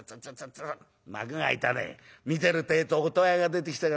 見てるってえと音羽屋が出てきたからよ